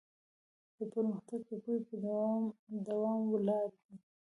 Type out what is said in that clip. پرمختګ د پوهې په دوام ولاړ دی.